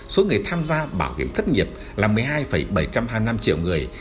số người tham gia bảo hiểm thất nghiệp là một mươi hai bảy trăm hai mươi năm triệu người